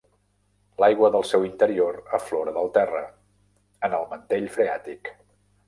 L'aigua del seu interior aflora del terra, en el mantell freàtic.